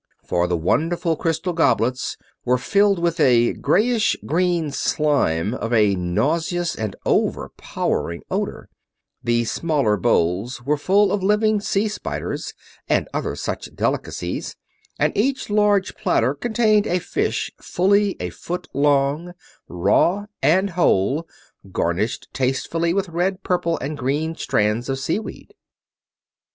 For the wonderful crystal goblets were filled with a grayish green slime of a nauseous and over powering odor, the smaller bowls were full of living sea spiders and other such delicacies; and each large platter contained a fish fully a foot long, raw and whole, garnished tastefully with red, purple, and green strands of seaweed!